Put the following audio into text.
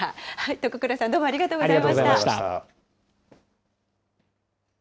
徳倉さん、どうもありがとうござありがとうございました。